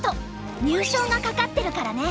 入賞が懸かってるからね。